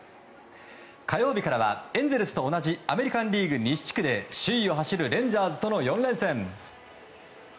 火曜日からは、エンゼルスと同じアメリカン・リーグ西地区で首位を走るレンジャーズとの４連戦。